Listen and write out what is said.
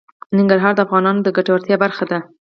ننګرهار د افغانانو د ګټورتیا برخه ده.